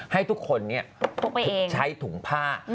ให้ทุกคนเนี่ยใช้ถุงผ้า